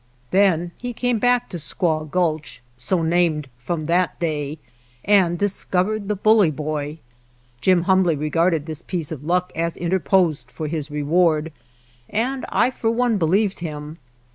Then he came back to Squaw Gulch, so named from that day, and discovered the Bully Boy. Jim humbly regarded this piece of luck as interposed for his reward, and I for one believed him.